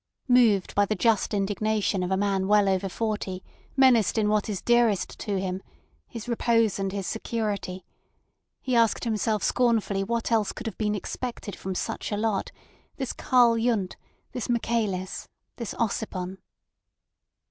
Moved by the just indignation of a man well over forty, menaced in what is dearest to him—his repose and his security—he asked himself scornfully what else could have been expected from such a lot, this Karl Yundt, this Michaelis—this Ossipon.